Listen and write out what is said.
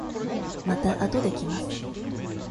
またあとで来ます。